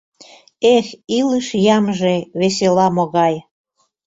Эх, илыш ямже весела могай!